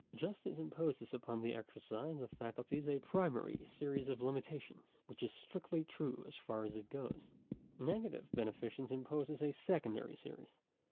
Justice imposes upon the exercise of faculties a primary series of limitations, which is strictly true as far as it goes. Negative beneficence imposes a secondary series.